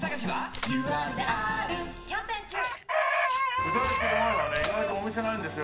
布田駅の前はね意外とお店ないんですよ。